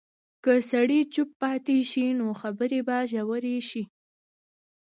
که سړی چوپ پاتې شي، نو خبرې به ژورې شي.